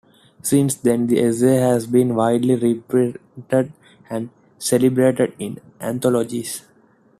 Since then the essay has been widely reprinted and celebrated in anthologies.